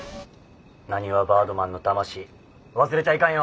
なにわバードマンの魂忘れちゃいかんよ！